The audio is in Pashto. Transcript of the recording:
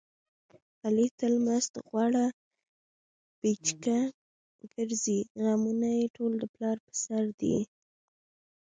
علي تل مست غوړه پیچکه ګرځي. غمونه یې ټول د پلار په سر دي.